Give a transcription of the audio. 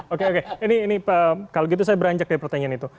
oke oke ini kalau gitu saya beranjak dari pertanyaan itu